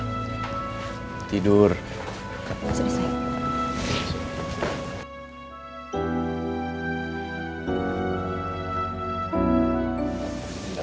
kau mau tidur sayang